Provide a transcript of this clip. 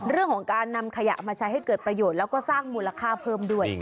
เรื่องของการนำขยะมาใช้ให้เกิดประโยชน์แล้วก็สร้างมูลค่าเพิ่มด้วย